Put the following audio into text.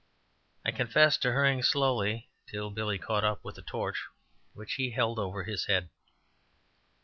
I confess to hurrying slowly until Billy caught up with the torch, which he held over his head.